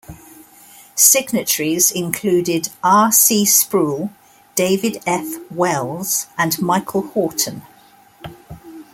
Signatories included R. C. Sproul, David F. Wells, and Michael Horton.